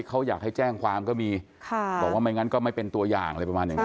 เขาอยากให้แจ้งความก็มีค่ะบอกว่าไม่งั้นก็ไม่เป็นตัวอย่างอะไรประมาณอย่างนี้